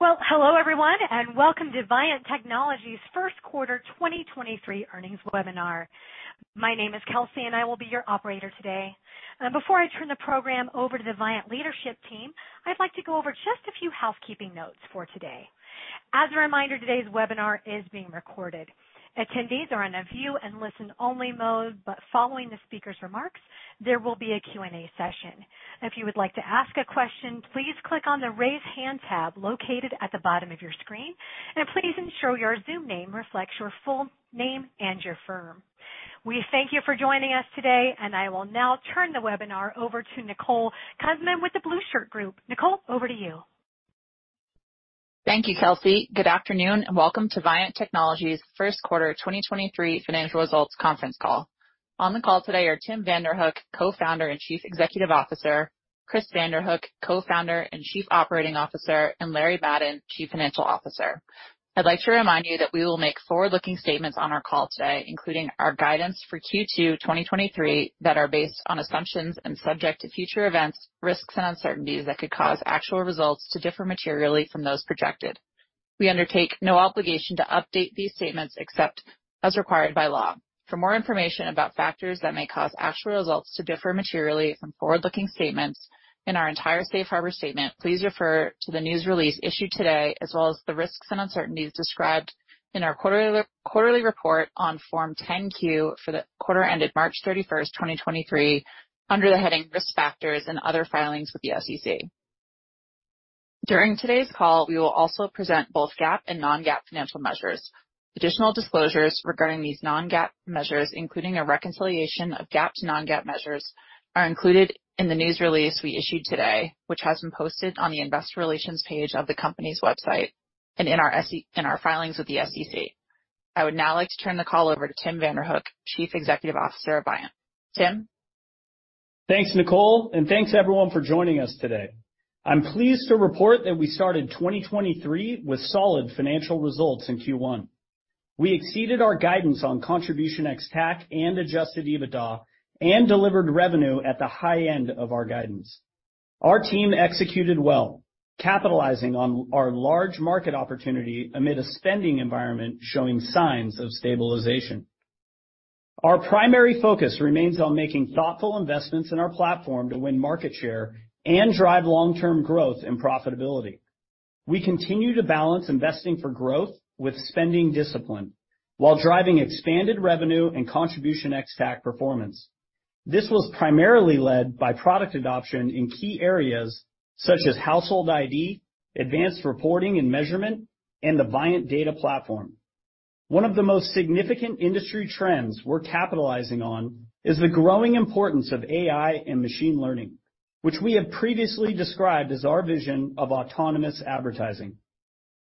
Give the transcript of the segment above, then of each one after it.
Well, hello everyone, and welcome to Viant Technology's first quarter 2023 earnings webinar. My name is Kelsey and I will be your operator today. Before I turn the program over to the Viant leadership team, I'd like to go over just a few housekeeping notes for today. As a reminder, today's webinar is being recorded. Attendees are in a view and listen-only mode, but following the speaker's remarks, there will be a Q&A session. If you would like to ask a question, please click on the Raise Hand tab located at the bottom of your screen, and please ensure your Zoom name reflects your full name and your firm. We thank you for joining us today, and I will now turn the webinar over to Nicole Kunzman with The Blueshirt Group. Nicole, over to you. Thank you, Kelsey. Good afternoon, and welcome to Viant Technology's first quarter 2023 financial results conference call. On the call today are Tim Vanderhook, co-founder and Chief Executive Officer, Chris Vanderhook, co-founder and Chief Operating Officer, and Larry Madden, Chief Financial Officer. I'd like to remind you that we will make forward-looking statements on our call today, including our guidance for Q2 2023 that are based on assumptions and subject to future events, risks, and uncertainties that could cause actual results to differ materially from those projected. We undertake no obligation to update these statements except as required by law. For more information about factors that may cause actual results to differ materially from forward-looking statements in our entire safe harbor statement, please refer to the news release issued today, as well as the risks and uncertainties described in our quarterly report on Form 10-Q for the quarter ended March 31, 2023 under the heading Risk Factors and Other Filings with the SEC. During today's call, we will also present both GAAP and non-GAAP financial measures. Additional disclosures regarding these non-GAAP measures, including a reconciliation of GAAP to non-GAAP measures, are included in the news release we issued today, which has been posted on the investor relations page of the company's website and in our filings with the SEC. I would now like to turn the call over to Tim Vanderhook, Chief Executive Officer of Viant. Tim? Thanks, Nicole, and thanks everyone for joining us today. I'm pleased to report that we started 2023 with solid financial results in Q1. We exceeded our guidance on contribution ex-TAC and adjusted EBITDA and delivered revenue at the high end of our guidance. Our team executed well, capitalizing on our large market opportunity amid a spending environment showing signs of stabilization. Our primary focus remains on making thoughtful investments in our platform to win market share and drive long-term growth and profitability. We continue to balance investing for growth with spending discipline while driving expanded revenue and contribution ex-TAC performance. This was primarily led by product adoption in key areas such as Household ID, Advanced Reporting and measurement, and the Viant Data Platform. One of the most significant industry trends we're capitalizing on is the growing importance of AI and machine learning, which we have previously described as our vision of autonomous advertising.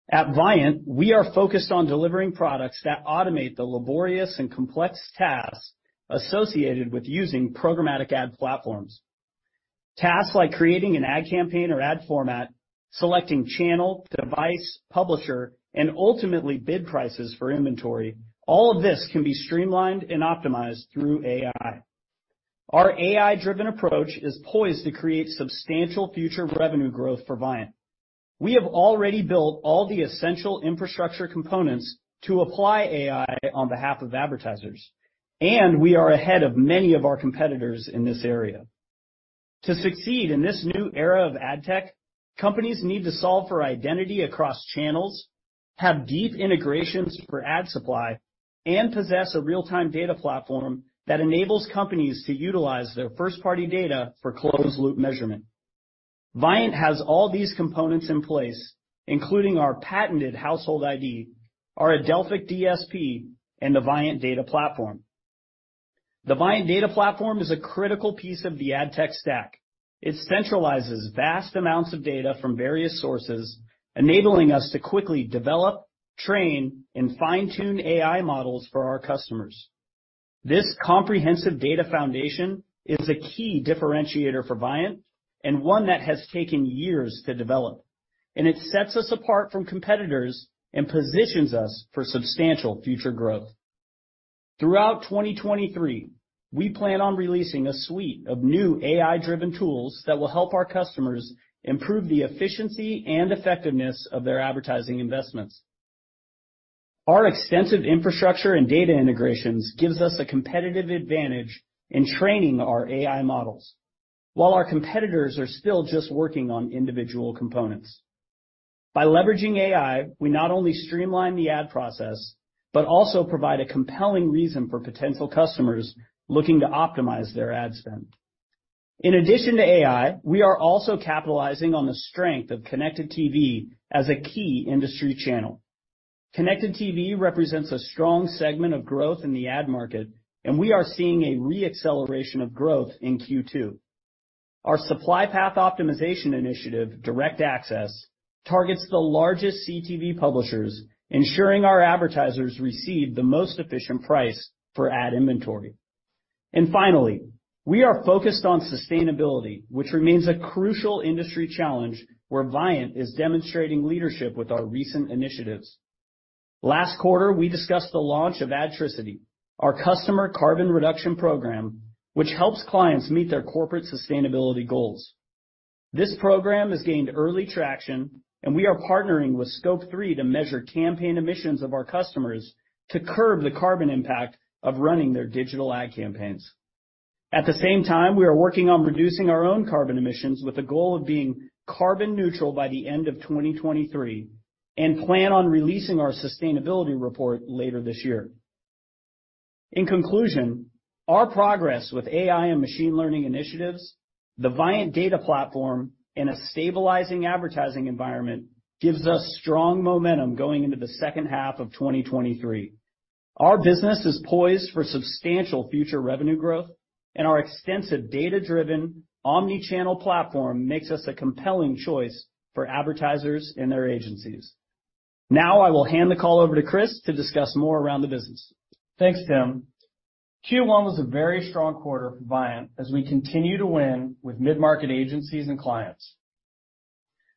At Viant, we are focused on delivering products that automate the laborious and complex tasks associated with using programmatic ad platforms. Tasks like creating an ad campaign or ad format, selecting channel, device, publisher, and ultimately bid prices for inventory. All of this can be streamlined and optimized through AI. Our AI-driven approach is poised to create substantial future revenue growth for Viant. We have already built all the essential infrastructure components to apply AI on behalf of advertisers, and we are ahead of many of our competitors in this area. To succeed in this new era of ad tech, companies need to solve for identity across channels, have deep integrations for ad supply, and possess a real-time data platform that enables companies to utilize their first-party data for closed-loop measurement. Viant has all these components in place, including our patented Household ID, our Adelphic DSP, and the Viant Data Platform. The Viant Data Platform is a critical piece of the ad tech stack. It centralizes vast amounts of data from various sources, enabling us to quickly develop, train, and fine-tune AI models for our customers. This comprehensive data foundation is a key differentiator for Viant and one that has taken years to develop, and it sets us apart from competitors and positions us for substantial future growth. Throughout 2023, we plan on releasing a suite of new AI-driven tools that will help our customers improve the efficiency and effectiveness of their advertising investments. Our extensive infrastructure and data integrations gives us a competitive advantage in training our AI models while our competitors are still just working on individual components. By leveraging AI, we not only streamline the ad process, but also provide a compelling reason for potential customers looking to optimize their ad spend. In addition to AI, we are also capitalizing on the strength of Connected TV as a key industry channel. Connected TV represents a strong segment of growth in the ad market. We are seeing a re-acceleration of growth in Q2. Our supply path optimization initiative, Direct Access, targets the largest CTV publishers, ensuring our advertisers receive the most efficient price for ad inventory. Finally, we are focused on sustainability, which remains a crucial industry challenge where Viant is demonstrating leadership with our recent initiatives. Last quarter, we discussed the launch of Adricity, our customer carbon reduction program, which helps clients meet their corporate sustainability goals. This program has gained early traction, and we are partnering with Scope3 to measure campaign emissions of our customers to curb the carbon impact of running their digital ad campaigns. At the same time, we are working on reducing our own carbon emissions with a goal of being carbon neutral by the end of 2023, and plan on releasing our sustainability report later this year. In conclusion, our progress with AI and machine learning initiatives, the Viant Data Platform, and a stabilizing advertising environment gives us strong momentum going into the second half of 2023. Our business is poised for substantial future revenue growth and our extensive data-driven omnichannel platform makes us a compelling choice for advertisers and their agencies. I will hand the call over to Chris Vanderhook to discuss more around the business. Thanks, Tim. Q1 was a very strong quarter for Viant as we continue to win with mid-market agencies and clients.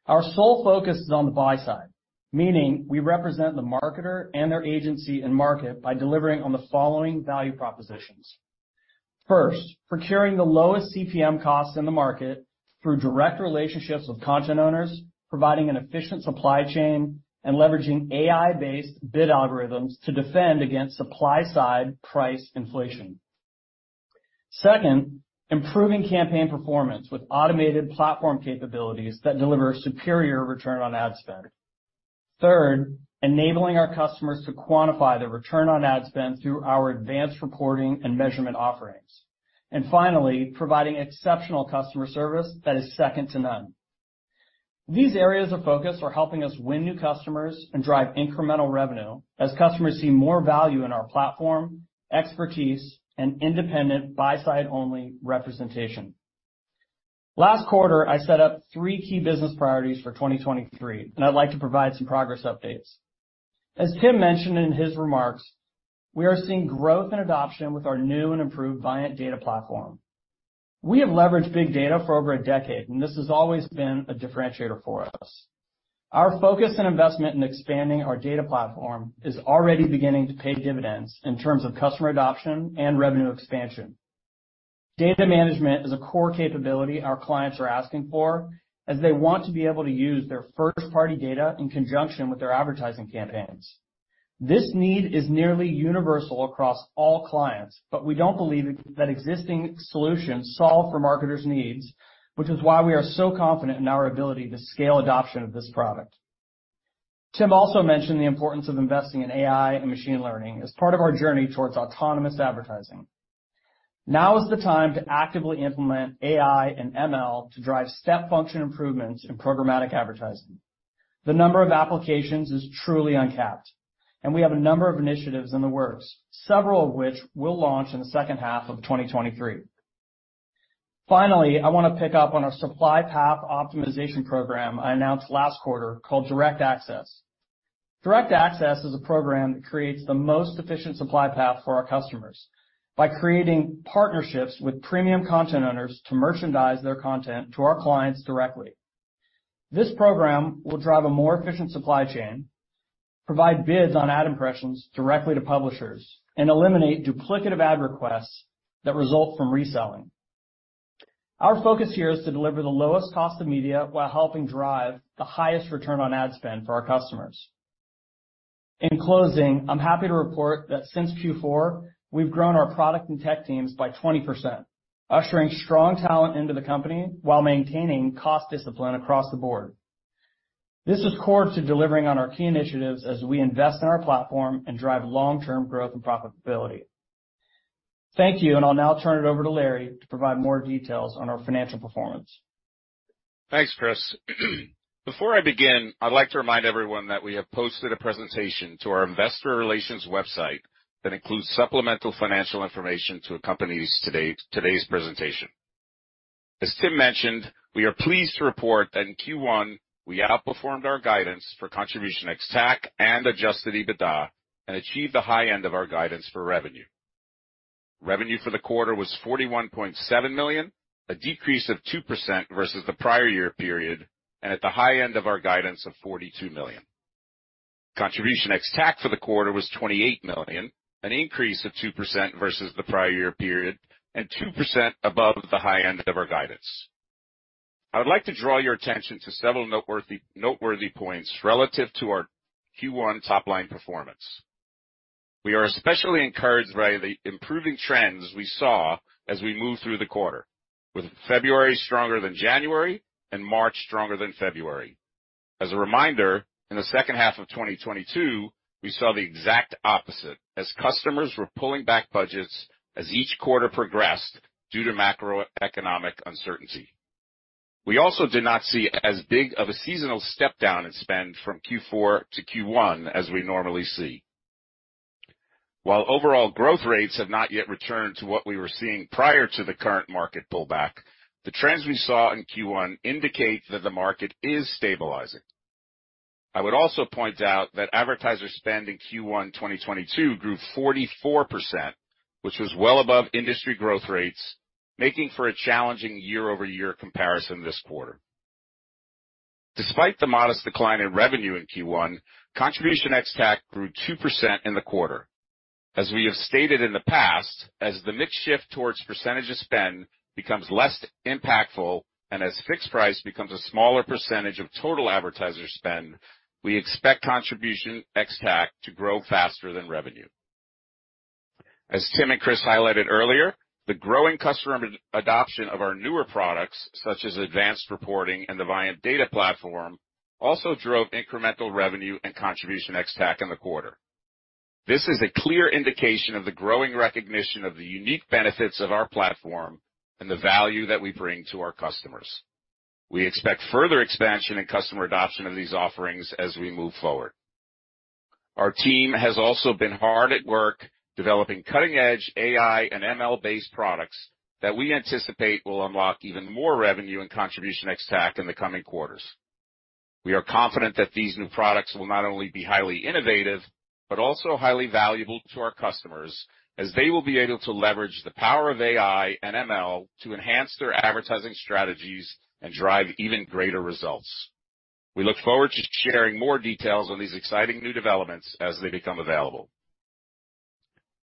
Our sole focus is on the buy side, meaning we represent the marketer and their agency and market by delivering on the following value propositions. First, procuring the lowest CPM costs in the market through direct relationships with content owners, providing an efficient supply chain and leveraging AI-based bid algorithms to defend against supply side price inflation. Second, improving campaign performance with automated platform capabilities that deliver superior return on ad spend. Third, enabling our customers to quantify their return on ad spend through our Advanced Reporting and measurement offerings. Finally, providing exceptional customer service that is second to none. These areas of focus are helping us win new customers and drive incremental revenue as customers see more value in our platform, expertise, and independent buy side only representation. Last quarter, I set up three key business priorities for 2023. I'd like to provide some progress updates. As Tim Vanderhook mentioned in his remarks, we are seeing growth and adoption with our new and improved Viant Data Platform. We have leveraged big data for over a decade. This has always been a differentiator for us. Our focus and investment in expanding our Data Platform is already beginning to pay dividends in terms of customer adoption and revenue expansion. Data management is a core capability our clients are asking for, as they want to be able to use their first-party data in conjunction with their advertising campaigns. This need is nearly universal across all clients. We don't believe that existing solutions solve for marketers' needs, which is why we are so confident in our ability to scale adoption of this product. Tim also mentioned the importance of investing in AI and machine learning as part of our journey towards autonomous advertising. Now is the time to actively implement AI and ML to drive step function improvements in programmatic advertising. The number of applications is truly uncapped, and we have a number of initiatives in the works, several of which will launch in the second half of 2023. Finally, I wanna pick up on our supply path optimization program I announced last quarter called Direct Access. Direct Access is a program that creates the most efficient supply path for our customers by creating partnerships with premium content owners to merchandise their content to our clients directly. This program will drive a more efficient supply chain, provide bids on ad impressions directly to publishers, and eliminate duplicative ad requests that result from reselling. Our focus here is to deliver the lowest cost of media while helping drive the highest return on ad spend for our customers. In closing, I'm happy to report that since Q4, we've grown our product and tech teams by 20%, ushering strong talent into the company while maintaining cost discipline across the board. This is core to delivering on our key initiatives as we invest in our platform and drive long-term growth and profitability. Thank you, I'll now turn it over to Larry to provide more details on our financial performance. Thanks, Chris. Before I begin, I'd like to remind everyone that we have posted a presentation to our investor relations website that includes supplemental financial information to accompany today's presentation. As Tim mentioned, we are pleased to report that in Q1, we outperformed our guidance for contribution ex-TAC and adjusted EBITDA, and achieved the high end of our guidance for revenue. Revenue for the quarter was $41.7 million, a decrease of 2% versus the prior year period, and at the high end of our guidance of $42 million. Contribution ex-TAC for the quarter was $28 million, an increase of 2% versus the prior year period, and 2% above the high end of our guidance. I would like to draw your attention to several noteworthy points relative to our Q1 top-line performance. We are especially encouraged by the improving trends we saw as we moved through the quarter, with February stronger than January and March stronger than February. As a reminder, in the second half of 2022, we saw the exact opposite as customers were pulling back budgets as each quarter progressed due to macroeconomic uncertainty. We also did not see as big of a seasonal step down in spend from Q4-Q1 as we normally see. While overall growth rates have not yet returned to what we were seeing prior to the current market pullback, the trends we saw in Q1 indicate that the market is stabilizing. I would also point out that advertiser spend in Q1 2022 grew 44%, which was well above industry growth rates, making for a challenging year-over-year comparison this quarter. Despite the modest decline in revenue in Q1, contribution ex-TAC grew 2% in the quarter. As we have stated in the past, as the mix shift towards percentage of spend becomes less impactful and as fixed price becomes a smaller percentage of total advertiser spend, we expect contribution ex-TAC to grow faster than revenue. As Tim and Chris highlighted earlier, the growing customer adoption of our newer products, such as Advanced Reporting and the Viant Data Platform, also drove incremental revenue and contribution ex-TAC in the quarter. This is a clear indication of the growing recognition of the unique benefits of our platform and the value that we bring to our customers. We expect further expansion and customer adoption of these offerings as we move forward. Our team has also been hard at work developing cutting-edge AI and ML-based products that we anticipate will unlock even more revenue and contribution ex-TAC in the coming quarters. We are confident that these new products will not only be highly innovative, but also highly valuable to our customers as they will be able to leverage the power of AI and ML to enhance their advertising strategies and drive even greater results. We look forward to sharing more details on these exciting new developments as they become available.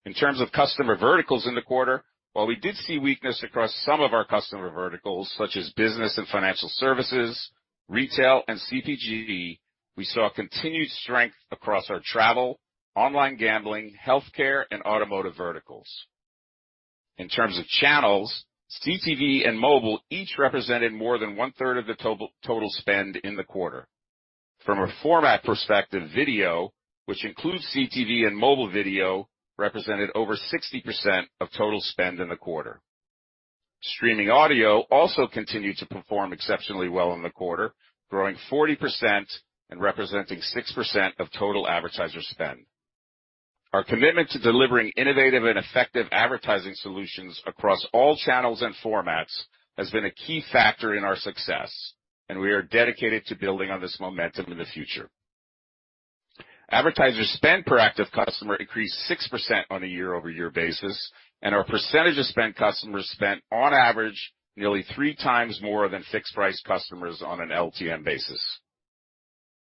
In terms of customer verticals in the quarter, while we did see weakness across some of our customer verticals, such as business and financial services, retail, and CPG, we saw continued strength across our travel, online gambling, healthcare, and automotive verticals. In terms of channels, CTV and mobile each represented more than 1/3 of the total spend in the quarter. From a format perspective, video, which includes CTV and mobile video, represented over 60% of total spend in the quarter. Streaming audio also continued to perform exceptionally well in the quarter, growing 40% and representing 6% of total advertiser spend. Our commitment to delivering innovative and effective advertising solutions across all channels and formats has been a key factor in our success. We are dedicated to building on this momentum in the future. Advertiser spend per active customer increased 6% on a year-over-year basis. Our percentage of spend customers spent on average nearly three times more than fixed price customers on an LTM basis.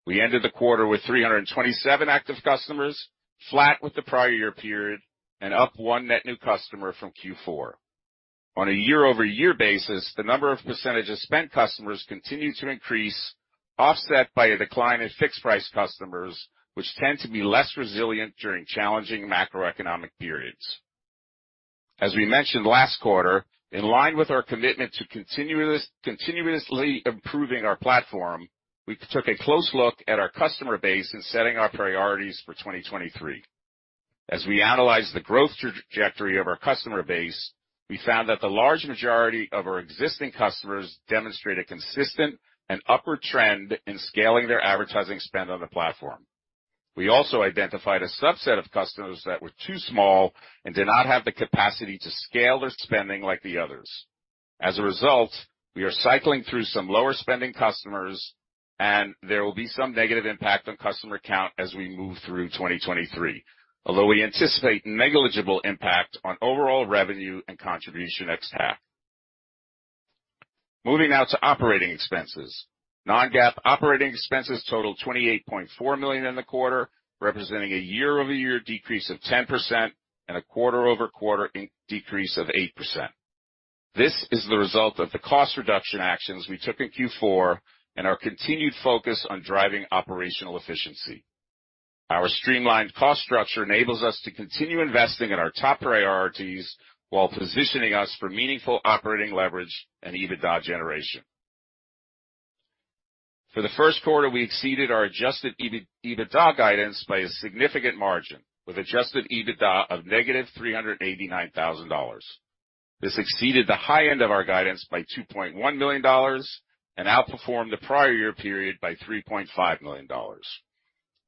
We ended the quarter with 327 active customers, flat with the prior year period and up one net new customer from Q4. On a year-over-year basis, the number of percentage of spend customers continued to increase, offset by a decline in fixed price customers, which tend to be less resilient during challenging macroeconomic periods. As we mentioned last quarter, in line with our commitment to continuously improving our platform, we took a close look at our customer base in setting our priorities for 2023. As we analyzed the growth trajectory of our customer base, we found that the large majority of our existing customers demonstrate a consistent and upward trend in scaling their advertising spend on the platform. We also identified a subset of customers that were too small and did not have the capacity to scale their spending like the others. As a result, we are cycling through some lower spending customers and there will be some negative impact on customer count as we move through 2023. Although we anticipate negligible impact on overall revenue and contribution ex-TAC. Moving now to operating expenses. Non-GAAP operating expenses totaled $28.4 million in the quarter, representing a year-over-year decrease of 10% and a quarter-over-quarter decrease of 8%. This is the result of the cost reduction actions we took in Q4 and our continued focus on driving operational efficiency. Our streamlined cost structure enables us to continue investing in our top priorities while positioning us for meaningful operating leverage and EBITDA generation. For the first quarter, we exceeded our adjusted EBITDA guidance by a significant margin with adjusted EBITDA of negative $389,000. This exceeded the high end of our guidance by $2.1 million and outperformed the prior year period by $3.5 million.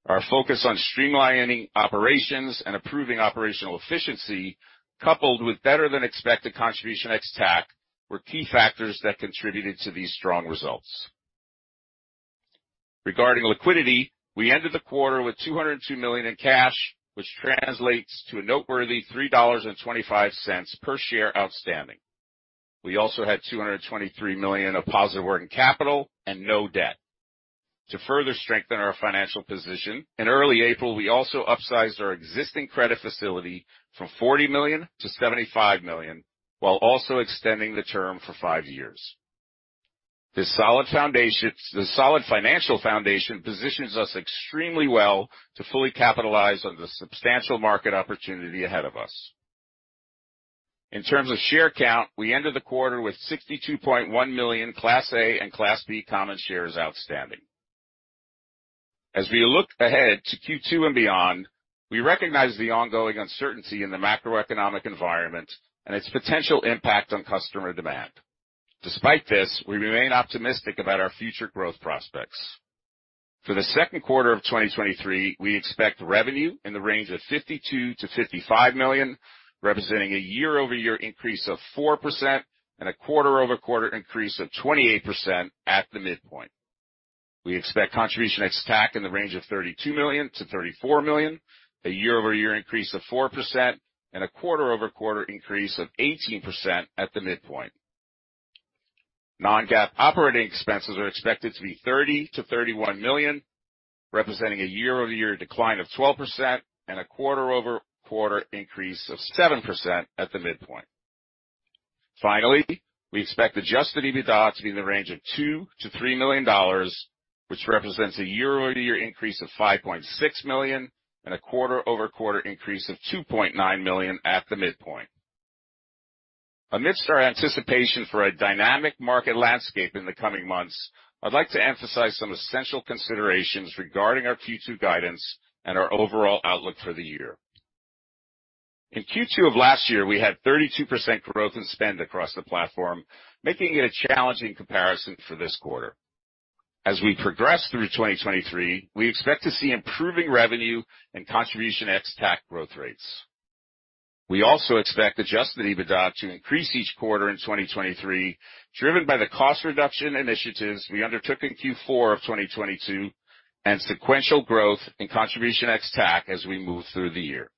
Our focus on streamlining operations and improving operational efficiency, coupled with better than expected contribution ex-TAC, were key factors that contributed to these strong results. Regarding liquidity, we ended the quarter with $202 million in cash, which translates to a noteworthy $3.25 per share outstanding. We also had $223 million of positive working capital and no debt. To further strengthen our financial position, in early April, we also upsized our existing credit facility from $40 million-$75 million, while also extending the term for five years. This solid financial foundation positions us extremely well to fully capitalize on the substantial market opportunity ahead of us. In terms of share count, we ended the quarter with 62.1 million Class A and Class B common shares outstanding. As we look ahead to Q2 and beyond, we recognize the ongoing uncertainty in the macroeconomic environment and its potential impact on customer demand. Despite this, we remain optimistic about our future growth prospects. For the second quarter of 2023, we expect revenue in the range of $52 million-$55 million, representing a year-over-year increase of 4% and a quarter-over-quarter increase of 28% at the midpoint. We expect contribution ex-TAC in the range of $32 million-$34 million, a year-over-year increase of 4% and a quarter-over-quarter increase of 18% at the midpoint. Non-GAAP operating expenses are expected to be $30 million-$31 million, representing a year-over-year decline of 12% and a quarter-over-quarter increase of 7% at the midpoint. We expect adjusted EBITDA to be in the range of $2 million-$3 million, which represents a year-over-year increase of $5.6 million and a quarter-over-quarter increase of $2.9 million at the midpoint. Amidst our anticipation for a dynamic market landscape in the coming months, I'd like to emphasize some essential considerations regarding our Q2 guidance and our overall outlook for the year. In Q2 of last year, we had 32% growth in spend across the platform, making it a challenging comparison for this quarter. As we progress through 2023, we expect to see improving revenue and contribution ex-TAC growth rates. We also expect adjusted EBITDA to increase each quarter in 2023, driven by the cost reduction initiatives we undertook in Q4 of 2022 and sequential growth in contribution ex-TAC as we move through the year.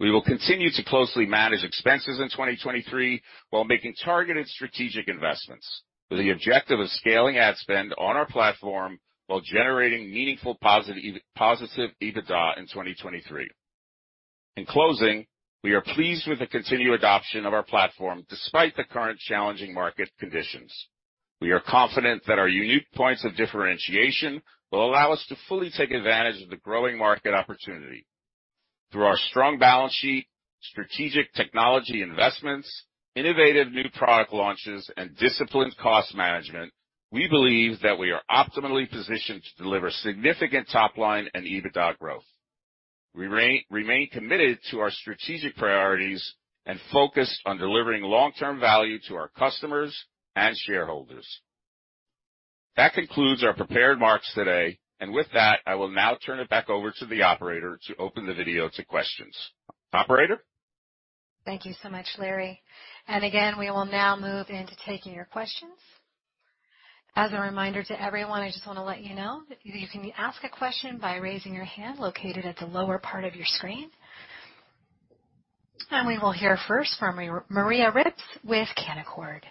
We will continue to closely manage expenses in 2023 while making targeted strategic investments with the objective of scaling ad spend on our platform while generating meaningful positive EBITDA in 2023. In closing, we are pleased with the continued adoption of our platform despite the current challenging market conditions. We are confident that our unique points of differentiation will allow us to fully take advantage of the growing market opportunity. Through our strong balance sheet, strategic technology investments, innovative new product launches, and disciplined cost management, we believe that we are optimally positioned to deliver significant top line and EBITDA growth. We remain committed to our strategic priorities and focused on delivering long-term value to our customers and shareholders. That concludes our prepared remarks today. With that, I will now turn it back over to the operator to open the video to questions. Operator? Thank you so much, Larry. Again, we will now move into taking your questions. As a reminder to everyone, I just wanna let you know that you can ask a question by raising your hand located at the lower part of your screen. We will hear first from Maria Ripps with Canaccord.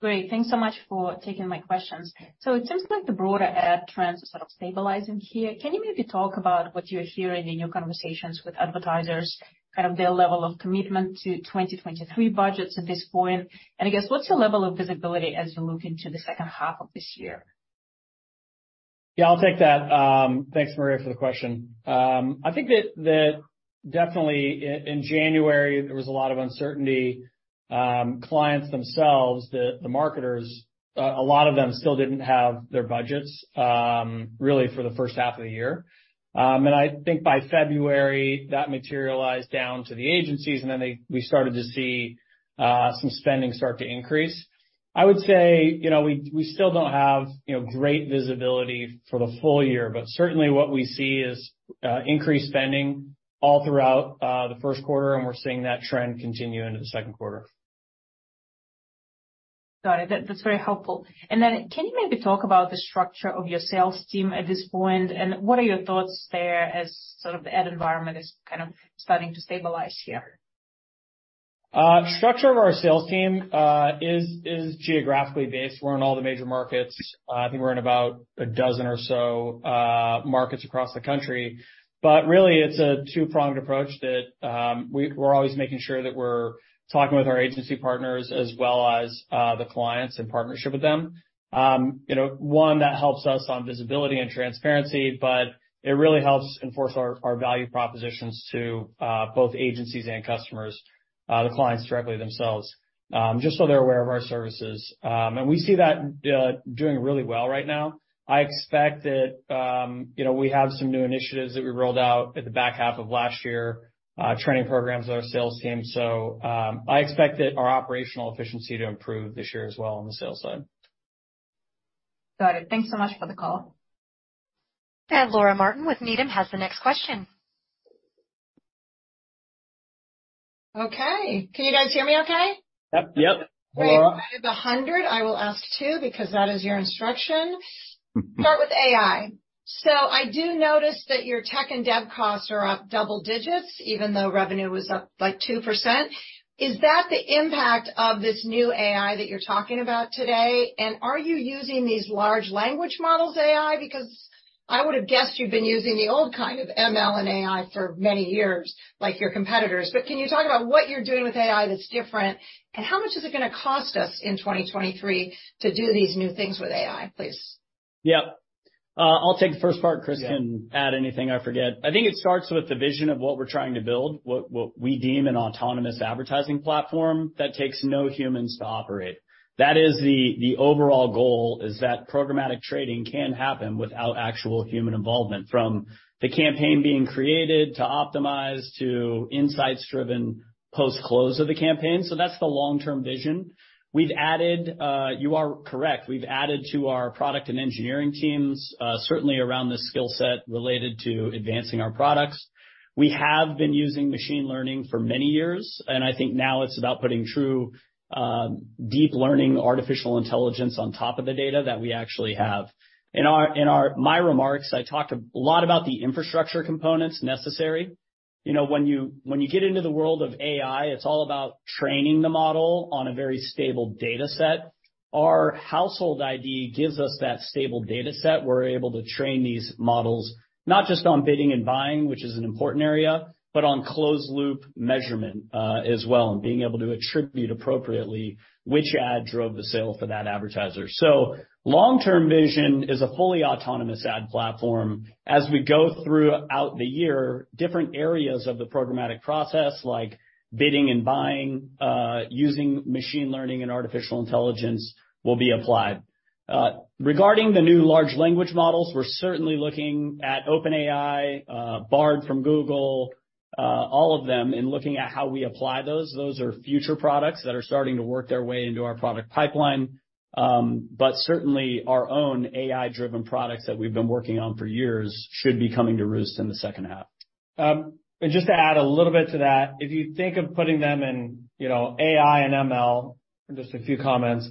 Great. Thanks so much for taking my questions. It seems like the broader ad trends are sort of stabilizing here. Can you maybe talk about what you're hearing in your conversations with advertisers, kind of their level of commitment to 2023 budgets at this point? I guess what's your level of visibility as you look into the second half of this year? Yeah, I'll take that. Thanks, Maria, for the question. I think that definitely in January, there was a lot of uncertainty. Clients themselves, the marketers, a lot of them still didn't have their budgets really for the first half of the year. I think by February, that materialized down to the agencies, and then we started to see some spending start to increase. I would say, you know, we still don't have, you know, great visibility for the full year, but certainly what we see is increased spending all throughout the first quarter, and we're seeing that trend continue into the second quarter. Got it. That's very helpful. Then can you maybe talk about the structure of your sales team at this point, and what are your thoughts there as sort of the ad environment is kind of starting to stabilize here? Structure of our sales team is geographically based. We're in all the major markets. I think we're in about a dozen or so markets across the country. Really it's a two-pronged approach that we're always making sure that we're talking with our agency partners as well as the clients in partnership with them. You know, one, that helps us on visibility and transparency, but it really helps enforce our value propositions to both agencies and customers, the clients directly themselves, just so they're aware of our services. We see that doing really well right now. I expect that, you know, we have some new initiatives that we rolled out at the back half of last year, training programs with our sales team. I expect that our operational efficiency to improve this year as well on the sales side. Got it. Thanks so much for the call. Laura Martin with Needham has the next question. Okay. Can you guys hear me okay? Yep, yep. Laura. Great. Out of the 100, I will ask two because that is your instruction. Start with AI. I do notice that your tech and dev costs are up double digits even though revenue was up by 2%. Is that the impact of this new AI that you're talking about today? Are you using these large language models AI? Because I would have guessed you've been using the old kind of ML and AI for many years, like your competitors. Can you talk about what you're doing with AI that's different, and how much is it gonna cost us in 2023 to do these new things with AI, please? Yep. I'll take the first part. Chris can add anything I forget. I think it starts with the vision of what we're trying to build, what we deem an autonomous advertising platform that takes no humans to operate. That is the overall goal is that programmatic trading can happen without actual human involvement, from the campaign being created to optimize, to insights-driven post-close of the campaign. That's the long-term vision. We've added. You are correct, we've added to our product and engineering teams, certainly around the skill set related to advancing our products. We have been using machine learning for many years, and I think now it's about putting true deep learning artificial intelligence on top of the data that we actually have. In my remarks, I talked a lot about the infrastructure components necessary. You know, when you get into the world of AI, it's all about training the model on a very stable data set. Our Household ID gives us that stable data set. We're able to train these models not just on bidding and buying, which is an important area, but on closed-loop measurement as well, and being able to attribute appropriately which ad drove the sale for that advertiser. Long-term vision is a fully autonomous ad platform. As we go throughout the year, different areas of the programmatic process like bidding and buying, using machine learning and artificial intelligence will be applied. Regarding the new large language models, we're certainly looking at OpenAI, Bard from Google, all of them in looking at how we apply those. Those are future products that are starting to work their way into our product pipeline. Certainly our own AI-driven products that we've been working on for years should be coming to roost in the second half. Just to add a little bit to that, if you think of putting them in, you know, AI and ML, just a few comments.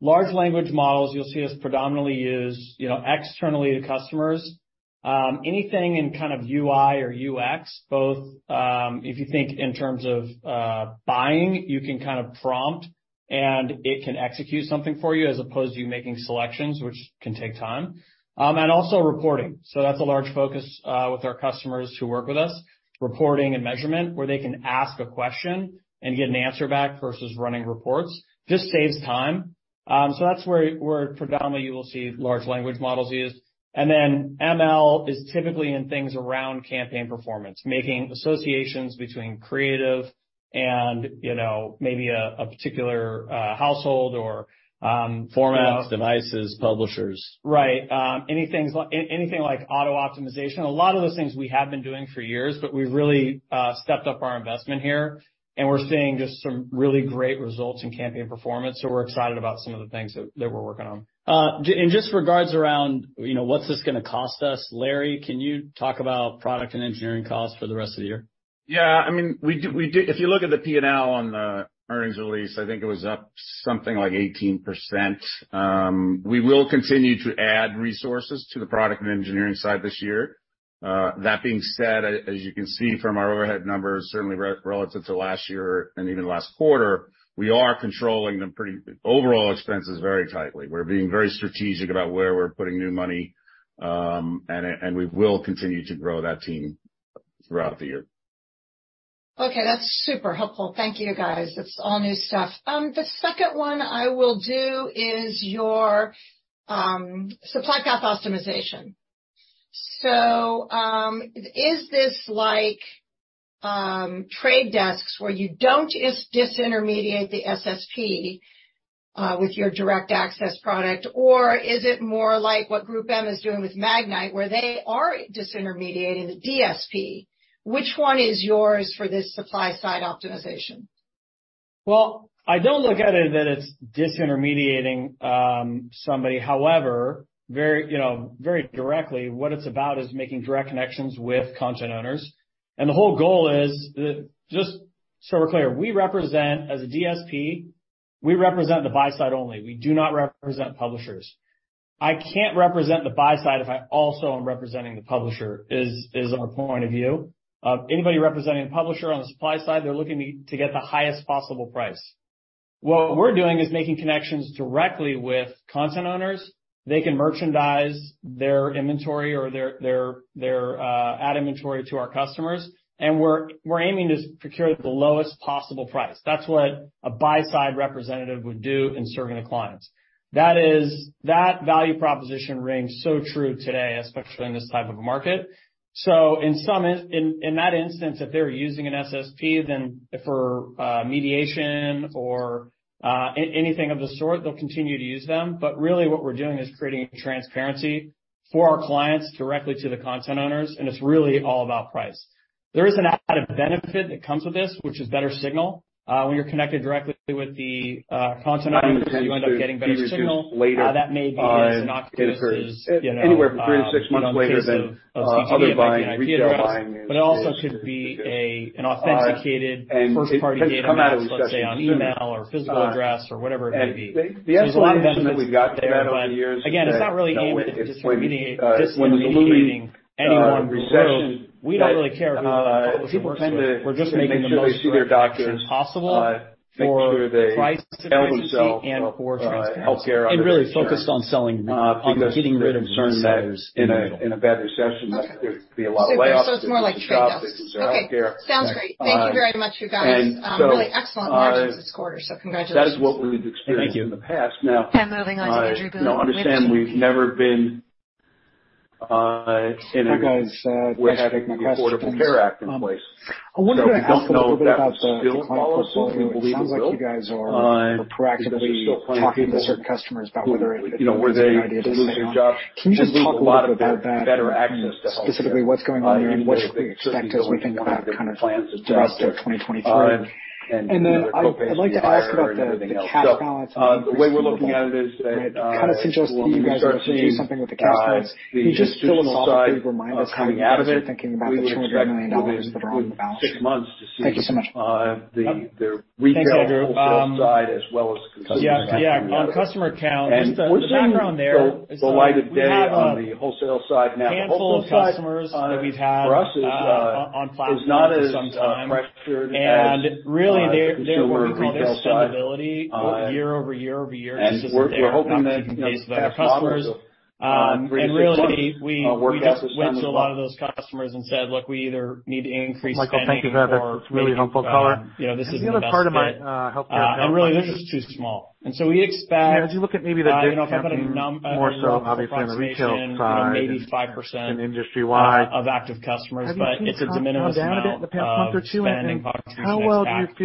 Large language models, you'll see us predominantly use, you know, externally to customers, anything in kind of UI or UX, both, if you think in terms of buying, you can kind of prompt, and it can execute something for you as opposed to you making selections, which can take time. Also reporting. That's a large focus with our customers who work with us, reporting and measurement, where they can ask a question and get an answer back versus running reports. This saves time. That's where predominantly you will see large language models used. Then ML is typically in things around campaign performance, making associations between creative and, you know, maybe a particular household or, you know... Formats, devices, publishers. Right. Anything like auto optimization. A lot of those things we have been doing for years, but we've really stepped up our investment here, and we're seeing just some really great results in campaign performance, so we're excited about some of the things that we're working on. Just regards around, you know, what's this gonna cost us, Larry, can you talk about product and engineering costs for the rest of the year? Yeah. I mean, we do. If you look at the P&L on the earnings release, I think it was up something like 18%. We will continue to add resources to the product and engineering side this year. That being said, as you can see from our overhead numbers, certainly relative to last year and even last quarter, we are controlling overall expenses very tightly. We're being very strategic about where we're putting new money, and we will continue to grow that team throughout the year. Okay, that's super helpful. Thank you, guys. It's all new stuff. The second one I will do is your supply path optimization. Is this like The Trade Desk where you don't disintermediate the SSP with your Direct Access product, or is it more like what GroupM is doing with Magnite, where they are disintermediating the DSP? Which one is yours for this supply path optimization? Well, I don't look at it that it's disintermediating somebody. However, very, you know, very directly, what it's about is making direct connections with content owners. Just so we're clear, we represent, as a DSP, we represent the buy side only. We do not represent publishers. I can't represent the buy side if I also am representing the publisher, is our point of view. Anybody representing a publisher on the supply side, they're looking to get the highest possible price. What we're doing is making connections directly with content owners. They can merchandise their inventory or their ad inventory to our customers, and we're aiming to procure the lowest possible price. That's what a buy side representative would do in serving the clients. That value proposition rings so true today, especially in this type of a market. In that instance, if they're using an SSP, then for mediation or anything of the sort, they'll continue to use them. Really what we're doing is creating transparency for our clients directly to the content owners, and it's really all about price. There is an added benefit that comes with this, which is better signal. When you're connected directly with the content owners, you end up getting better signal. That may be an octopus is, you know, in the case of CTV, it might be an IP address, but it also could be an authenticated first-party data mass, let's say, on email or physical address or whatever it may be. There's a lot of benefits there, but again, it's not really aiming to disintermediating anyone. We don't really care how the publisher works with. We're just making the most Direct Access possible for price transparency and for transparency. really focused on getting rid of certain sizes. Okay. It's more like Trade Desk. Okay. Sounds great. Thank you very much, you guys. really excellent margins this quarter. Congratulations. Thank you. Thank you. Moving on to Andrew Boone with JMP Securities. Hi, guys. Thanks for taking my questions. I wanted to ask a little bit about the client portfolio. It sounds like you guys are proactively talking to certain customers about whether it makes any idea to stay on. Can you just talk a little bit about that and specifically what's going on there and what we expect as we think about just 2023? I'd like to ask about the cash balance on the way it seemed like it kinda suggests that you guys are doing something with the cash balance. Can you just philosophically remind us how you guys are thinking about the $200 million that are on the balance sheet? Thank you so much. Thanks, Andrew. Yeah, yeah. On customer count, just the background there is, we have a handful of customers that we've had on platform for some time. Really, they're what we call their spendability year-over-year-over-year just isn't there. Not keeping pace with other customers. Really we just went to a lot of those customers and said, "Look, we either need increased spending or maybe, you know, this isn't the best fit, and really this is too small." We expect, you know, if I put a little approximation, you know, maybe 5% of active customers, but it's a de minimis amount of spending contribution I expect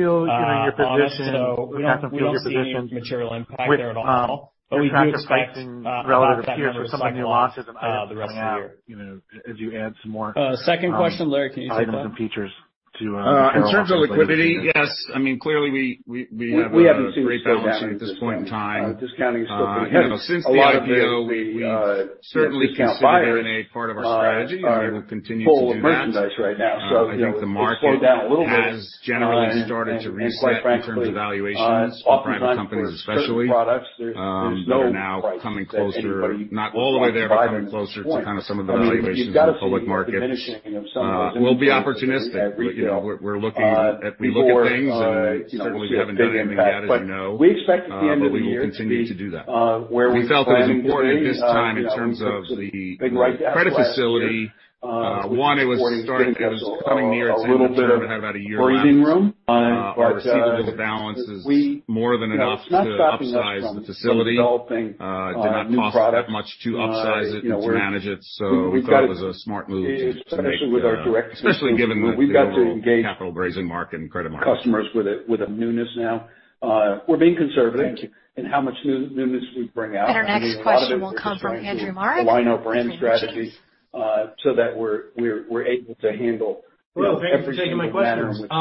on us. We don't see any material impact there at all. We do expect, a lot of that to recycle off, the rest of the year. Second question, Larry, can you take that? In terms of liquidity, yes. I mean, clearly we have great balance sheet at this point in time. You know, since the IPO, we certainly consider M&A part of our strategy, and we will continue to do that. I think the market has generally started to reset in terms of valuations for private companies especially, that are now coming closer, not all the way there, but coming closer to kind of some of the valuations in the public markets. We'll be opportunistic. You know, we look at things. Certainly we haven't done any of that, as you know, but we will continue to do that. We felt it was important at this time in terms of the, you know, credit facility. so that we're able to handle, you know, every single manner in which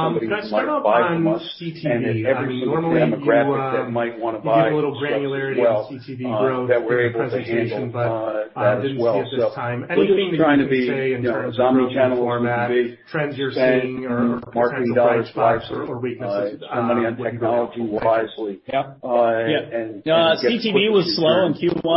somebody might buy from us and in every single demographic that might wanna buy from us as well that we're able to handle that as well. We're just trying to be, you know, a dominant channel in which we can be, spend marketing dollars wisely, spend money on technology wisely, and get as quick to share with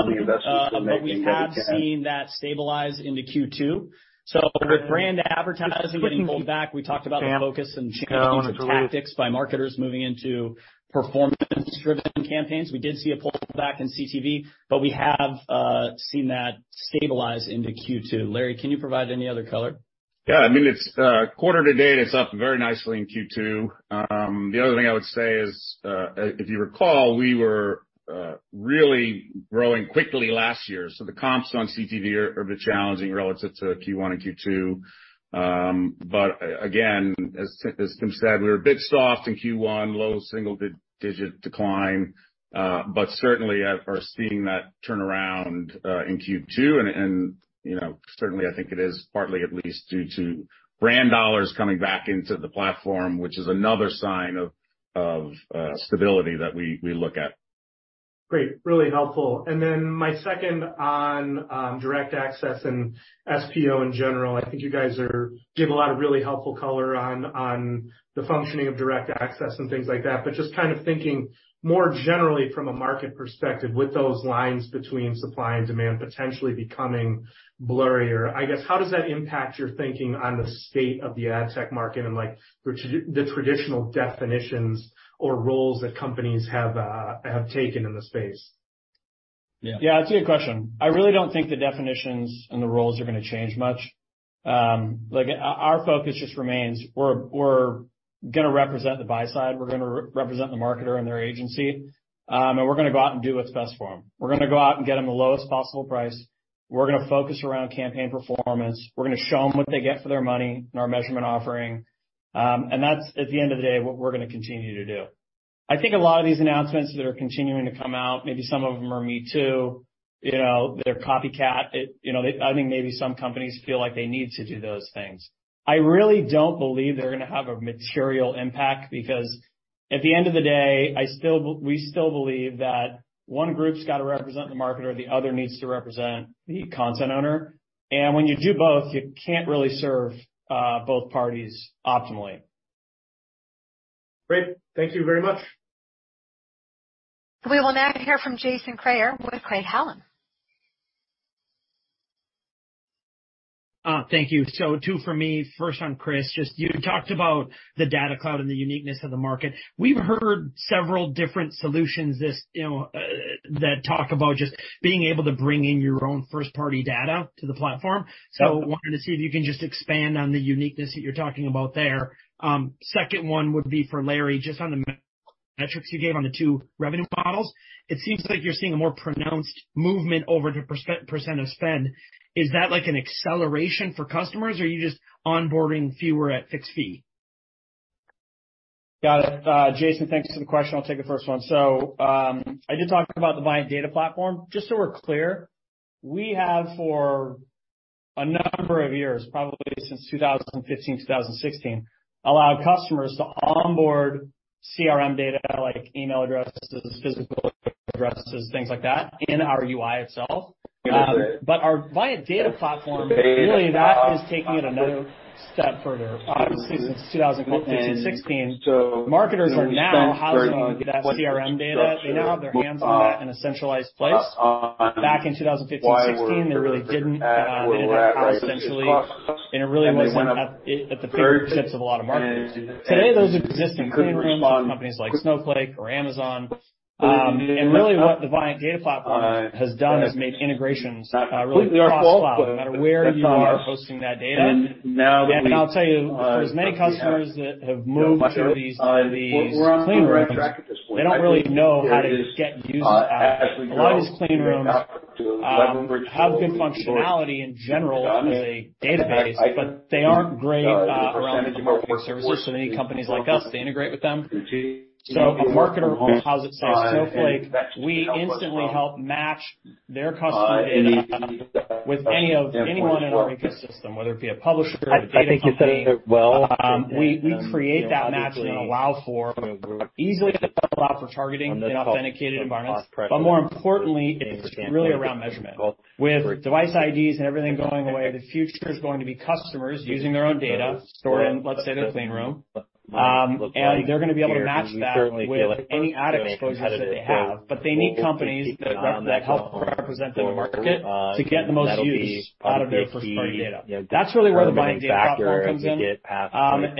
the investors the making that we can. And our next question will come from Andrew Marok with Raymond James. Thanks for taking my questions. Can I follow up on CTV? I mean, normally you give a little granularity on CTV growth during the presentation, didn't see it this time. Anything that you can say in terms of revenue format, trends you're seeing or in terms of bright spots or weaknesses with regard to CTV? Yeah. Yeah. No, CTV was slow in Q1, but we have seen that stabilize into Q2. With brand advertising getting pulled back, we talked about the focus and changes of tactics by marketers moving into performance-driven campaigns. We did see a pull back in CTV, but we have seen that stabilize into Q2. Larry, can you provide any other color? Yeah. I mean, it's quarter to date, it's up very nicely in Q2. The other thing I would say is, if you recall, we were really growing quickly last year. The comps on CTV are a bit challenging relative to Q1 and Q2. Again, as Tim said, we were a bit soft in Q1, low single-digit decline. Certainly are seeing that turnaround in Q2, and, you know, certainly I think it is partly at least due to brand dollars coming back into the platform, which is another sign of stability that we look at. Great. Really helpful. Then my second on Direct Access and SPO in general. I think you guys give a lot of really helpful color on the functioning of Direct Access and things like that. Just kind of thinking more generally from a market perspective, with those lines between supply and demand potentially becoming blurrier, I guess how does that impact your thinking on the state of the ad tech market and, like, the traditional definitions or roles that companies have taken in the space? Yeah. I see your question. I really don't think the definitions and the roles are gonna change much. Like, our focus just remains we're gonna represent the buy side, we're gonna re-represent the marketer and their agency, and we're gonna go out and do what's best for them. We're gonna go out and get them the lowest possible price. We're gonna focus around campaign performance. We're gonna show them what they get for their money in our measurement offering. That's, at the end of the day, what we're gonna continue to do. I think a lot of these announcements that are continuing to come out, maybe some of them are me too, you know, they're copycat. You know, they I think maybe some companies feel like they need to do those things. I really don't believe they're gonna have a material impact because at the end of the day, I still we still believe that one group's gotta represent the marketer, the other needs to represent the content owner. When you do both, you can't really serve both parties optimally. Great. Thank you very much. We will now hear from Jason Kreyer with Craig-Hallum. Thank you. two for me. First, on Chris, just you talked about the data cloud and the uniqueness of the market. We've heard several different solutions this, you know, that talk about just being able to bring in your own first-party data to the platform. Wanted to see if you can just expand on the uniqueness that you're talking about there. Second one would be for Larry, just on the metrics you gave on the two revenue models. It seems like you're seeing a more pronounced movement over to percent of spend. Is that like an acceleration for customers, or are you just onboarding fewer at fixed fee? Got it. Jason, thanks for the question. I'll take the first one. I did talk about the Viant Data Platform. Just so we're clear, we have a number of years, probably since 2015, 2016, allowed customers to onboard CRM data like email addresses, physical addresses, things like that in our UI itself. Our Viant Data Platform, really that is taking it another step further. Obviously, since 2015, 2016, marketers are now housing that CRM data. They now have their hands on that in a centralized place. Back in 2015, 2016, they really didn't, they didn't have power essentially, and it really wasn't at the fingertips of a lot of marketers. Today, those exist in clean rooms with companies like Snowflake or Amazon. Really what the Viant Data Platform has done is made integrations, really cross cloud no matter where you are hosting that data. I'll tell you, for as many customers that have moved to these clean rooms, they don't really know how to get use out of them. A lot of these clean rooms have good functionality in general with a database, but they aren't great around integrating services with any companies like us that integrate with them. A marketer who houses on Snowflake, we instantly help match their customer data with anyone in our ecosystem, whether it be a publisher, a data company. We create that match and allow for targeting in authenticated environments, but more importantly, it's really around measurement. With device IDs and everything going away, the future is going to be customers using their own data stored in, let's say, a clean room. They're gonna be able to match that with any ad exposures that they have. They need companies that help represent the market to get the most use out of their first-party data. That's really where the Viant Data Platform comes in.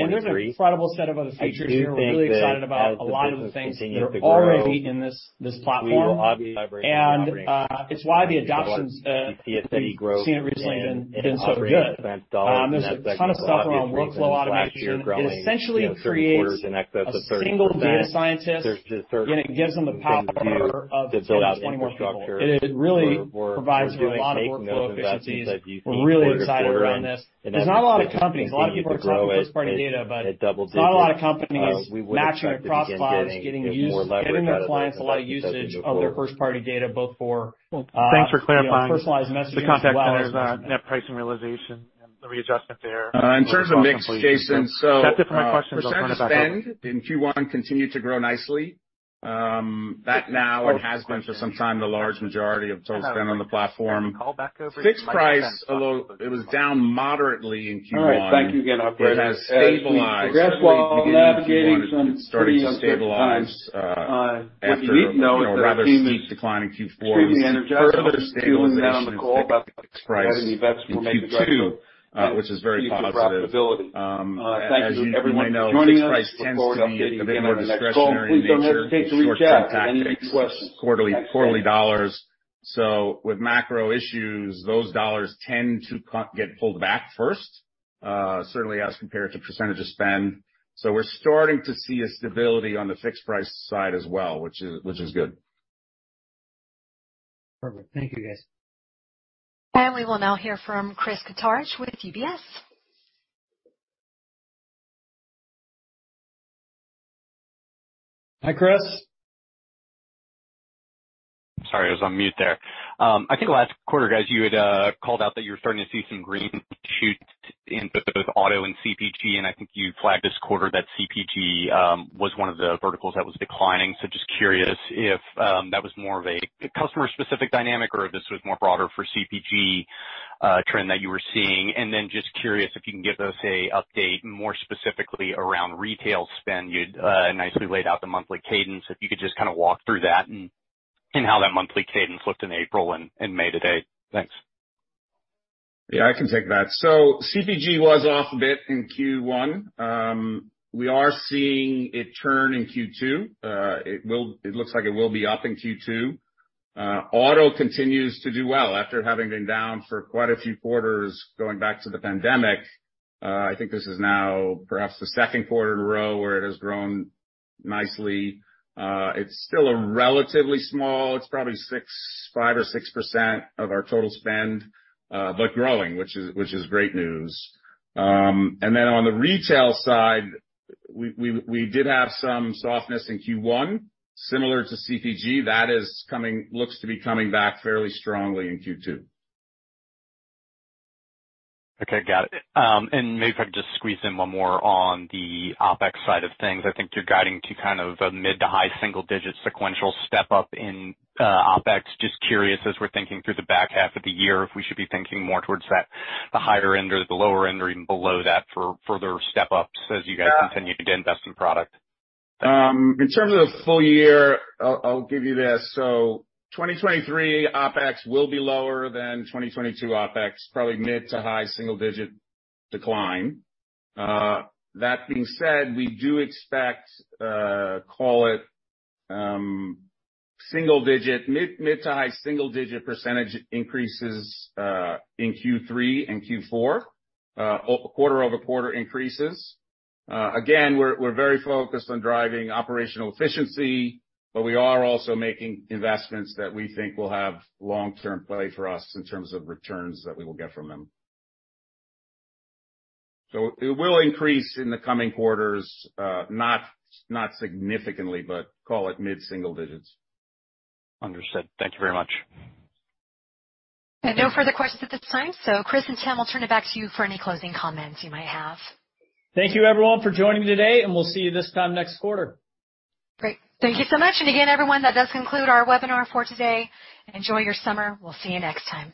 There's an incredible set of other features here we're really excited about, a lot of the things that are already in this platform. It's why the adoption's we've seen it recently been so good. There's a ton of stuff around workflow automation that essentially creates a single data scientist, and it gives them the power of 10-20 more people. It really provides for a lot of workflow efficiencies. We're really excited around this. There's not a lot of companies, a lot of people are talking about first-party data, but there's not a lot of companies matching it across clouds, getting their clients a lot of usage of their first-party data, both for, you know, personalized messaging as well as measurement. Thanks for clarifying the contact centers net pricing realization and the readjustment there. In terms of mix, Jason. That's it for my questions. I'll turn it back over. Percent of spend in Q1 continued to grow nicely. That now and has been for some time the large majority of total spend on the platform. Fixed price, although it was down moderately in Q1, it has stabilized. Early beginning of Q1, it started to stabilize after, you know, a rather steep decline in Q4. We're further stabilizing that on the fixed price in Q2, which is very positive. As you may know, fixed price tends to be a bit more discretionary in nature. It's short-term tactics, quarterly dollars. With macro issues, those dollars tend to get pulled back first, certainly as compared to percentage of spend. We're starting to see a stability on the fixed price side as well, which is good. Perfect. Thank you, guys. We will now hear from Chris Kuntarich with UBS. Hi, Chris. Sorry, I was on mute there. I think last quarter, guys, you had called out that you were starting to see some green shoots in both auto and CPG. I think you flagged this quarter that CPG was one of the verticals that was declining. Just curious if that was more of a customer-specific dynamic or if this was more broader for CPG trend that you were seeing. Just curious if you can give us a update more specifically around retail spend. You'd nicely laid out the monthly cadence, if you could just kinda walk through that and how that monthly cadence looked in April and May to date. Thanks. Yeah, I can take that. CPG was off a bit in Q1. We are seeing it turn in Q2. It looks like it will be up in Q2. Auto continues to do well after having been down for quite a few quarters going back to the pandemic. I think this is now perhaps the second quarter in a row where it has grown nicely. It's probably 6%, 5% or 6% of our total spend, but growing, which is great news. On the retail side, we did have some softness in Q1, similar to CPG. That looks to be coming back fairly strongly in Q2. Okay. Got it. Maybe if I can just squeeze in one more on the OpEx side of things. I think you're guiding to kind of a mid to high single-digit sequential step-up in OpEx. Just curious, as we're thinking through the back half of the year, if we should be thinking more towards that, the higher end or the lower end or even below that for further step-ups as you guys continue to invest in product. In terms of full year, I'll give you this. 2023 OpEx will be lower than 2022 OpEx, probably mid to high single-digit decline. That being said, we do expect, call it single-digit, mid to high single-digit % increases, in Q3 and Q4, quarter-over-quarter increases. Again, we're very focused on driving operational efficiency, but we are also making investments that we think will have long-term play for us in terms of returns that we will get from them. It will increase in the coming quarters, not significantly, but call it mid-single digit %. Understood. Thank you very much. No further questions at this time. Chris and Tim, I'll turn it back to you for any closing comments you might have. Thank you everyone for joining me today, and we'll see you this time next quarter. Great. Thank you so much. Again, everyone, that does conclude our webinar for today. Enjoy your summer. We'll see you next time.